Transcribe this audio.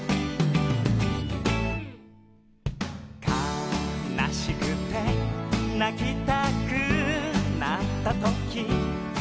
「かなしくて泣きたくなったとき」